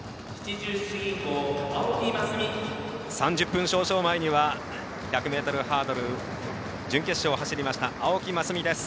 ３０分少々前には１００ｍハードル準決勝を走りました、青木益未。